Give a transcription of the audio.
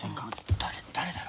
誰誰だろ。